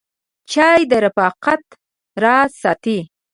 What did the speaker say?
چای د رفاقت راز ساتي.